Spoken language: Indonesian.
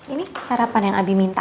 ini sarapan yang abi minta